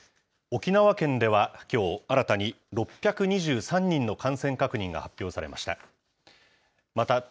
沖縄県ではきょう、新たに６２３人の感染確認が発表されました。